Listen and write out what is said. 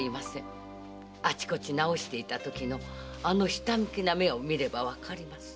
あちこち直していたときのあのひたむきな目を見ればわかります。